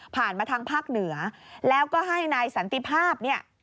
ผ่านมาทางภาคเหนือแล้วก็ให้นายสันติภาพ